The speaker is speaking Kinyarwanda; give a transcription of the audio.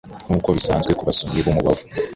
Nkuko bisanzwe ku basomyi b’Umubavu,